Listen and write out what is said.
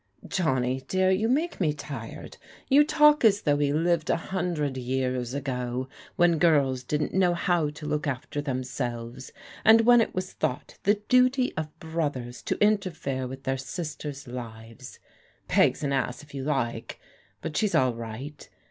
"Johnny dear, you make me tired. You talk as though we lived a hundred years ago, when girls didn't know how to look after themselves, and when it was diought the duty of brothers to interfere with their sis 26 PEG'S CAEBYING ON 27 ters' lives. Peg's an ass if you like, but she's all right.